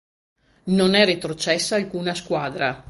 Non è retrocessa alcuna squadra.